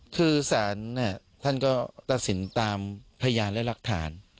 คือสารท่านก็ตัดสินตามพยานและหลักฐาน